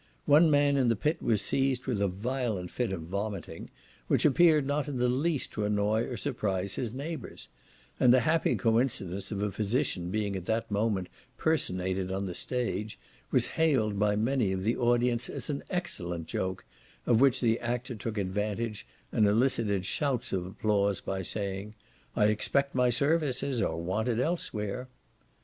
One man in the pit was seized with a violent fit of vomiting, which appeared not in the least to annoy or surprise his neighbours; and the happy coincidence of a physician being at that moment personated on the stage, was hailed by many of the audience as an excellent joke, of which the actor took advantage, and elicited shouts of applause by saying, "I expect my services are wanted elsewhere."